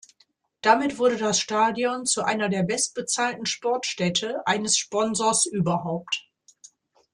Damit wurde das Stadion zu einer der bestbezahlten Sportstätte eines Sponsors überhaupt.